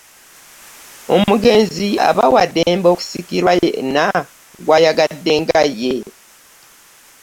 Omugenzi aba wa ddembe okusikirwa yenna gw'ayagadde nga ye.